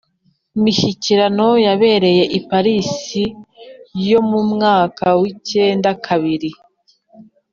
mishyikirano yabereye i Parisi yo mu mwaka w’ icyenda kabiri,